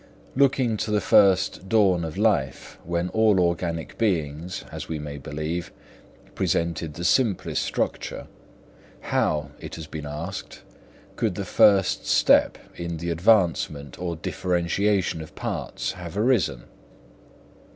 Looking to the first dawn of life, when all organic beings, as we may believe, presented the simplest structure, how, it has been asked, could the first step in the advancement or differentiation of parts have arisen?